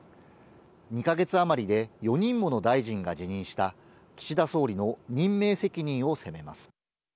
２か月余りで４人もの大臣が辞任した岸田総理の任命責任をせめます。